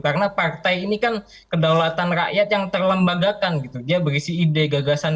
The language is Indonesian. karena partai ini kan kedaulatan rakyat yang terlembagakan gitu dia berisi ide gagasan